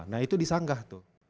nah itu disanggah tuh